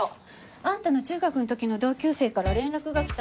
あんたの中学の時の同級生から連絡が来たのよ。